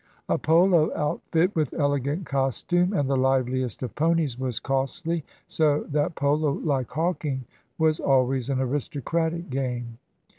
A polo outfit with elegant costume and the liveliest of ponies was costly, so that polo, like hawking, was always an aristo cratic game.